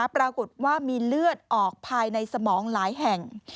ปรากฏว่ามีเลือดออกภายในสมองหลายแห่ง